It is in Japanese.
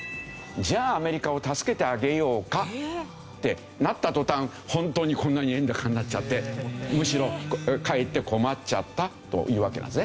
じゃあアメリカを助けてあげようかってなった途端本当にこんなに円高になっちゃってむしろかえって困っちゃったというわけなんですね。